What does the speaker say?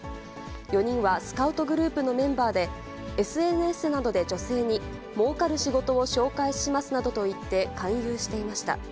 ４人はスカウトグループのメンバーで、ＳＮＳなどで女性に、もうかる仕事を紹介しますなどと言って勧誘していました。